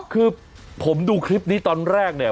คือผมดูคลิปนี้ตอนแรกเนี่ย